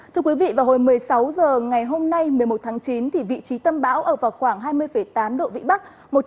thưa quý vị vào hồi một mươi sáu h ngày hôm nay một mươi một tháng chín vị trí tâm bão ở vào khoảng hai mươi tám độ vĩ bắc